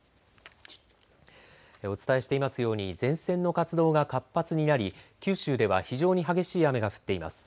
お伝えしていますように前線の活動が活発になり九州では非常に激しい雨が降っています。